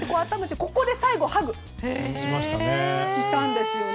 ここでハグしたんですね。